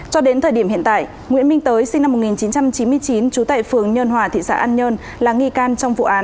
cho đến thời điểm hiện tại nguyễn minh tới sinh năm một nghìn chín trăm chín mươi chín trú tại phường nhân hòa tp hcm